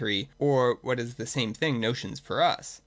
iry, or, what is the same thing, notions '(oy us.